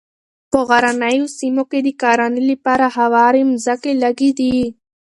په غرنیو سیمو کې د کرنې لپاره هوارې مځکې لږې دي.